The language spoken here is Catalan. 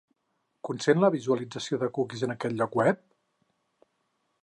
Consent la visualització de cookies en aquest lloc web?